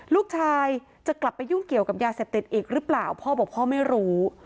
ลูกชายจะกลับไปยุ่งเกี่ยวกับยาเสพติดอีกหรือเปล่าพ่อบอกพ่อไม่รู้